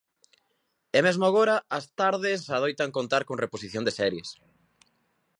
E mesmo agora as tardes adoitan contar con reposición de series.